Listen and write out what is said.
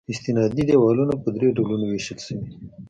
استنادي دیوالونه په درې ډولونو ویشل شوي دي